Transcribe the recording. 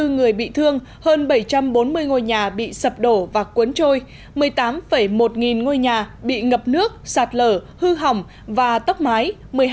hai mươi người bị thương hơn bảy trăm bốn mươi ngôi nhà bị sập đổ và cuốn trôi một mươi tám một nghìn ngôi nhà bị ngập nước sạt lở hư hỏng và tốc mái